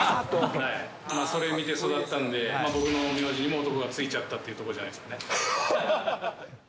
それ見て育ったんで、僕のあだ名にも男が付いちゃったってことじゃないですかね。